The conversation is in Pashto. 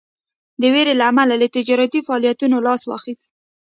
د ویرې له امله له تجارتي فعالیتونو لاس واخیست.